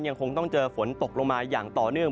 ยังคงต้องเจอฝนตกลงมาอย่างต่อเนื่อง